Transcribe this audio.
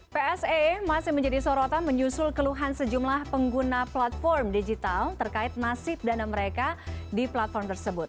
pse masih menjadi sorotan menyusul keluhan sejumlah pengguna platform digital terkait nasib dana mereka di platform tersebut